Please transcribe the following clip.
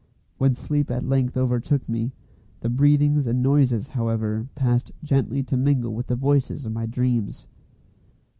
When sleep at length overtook me, the breathings and noises, however, passed gently to mingle with the voices of my dreams.